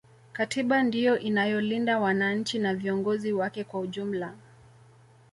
katiba ndiyo inayolinda wananchi na viongozi wake kwa ujumla